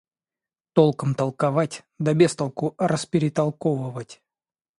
Толком толковать, да без толку расперетолковывать.